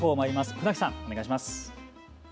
船木さん、お願いします。